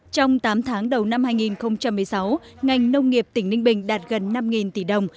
trong tám tháng đầu năm hai nghìn một mươi sáu ngành nông nghiệp tỉnh ninh bình đạt gần năm tỷ đồng